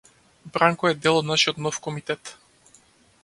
Бранко е дел од нашиот нов комитет.